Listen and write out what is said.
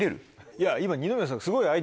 いや今。